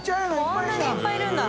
こんなにいっぱいいるんだ。